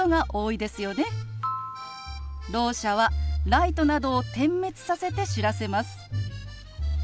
ろう者はライトなどを点滅させて知らせます。